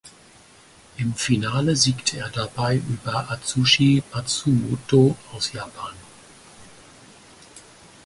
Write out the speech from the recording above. Im Finale siegte er dabei über Atsushi Matsumoto aus Japan.